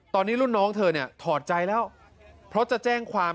ตอนนี้รุ่นน้องเธอเนี่ยถอดใจแล้วเพราะจะแจ้งความ